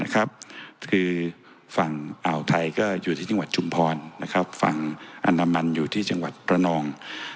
คือฝั่งอ่าวไทยก็อยู่ที่จังหวัดชุมพรฝั่งอันดามันอยู่ที่จังหวัดประนอง